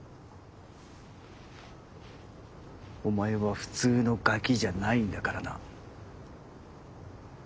お前は普通のガキじゃないんだからな。